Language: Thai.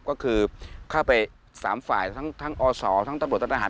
ก็คือเข้าไป๓ฝ่ายทั้งอศทั้งตำรวจทหาร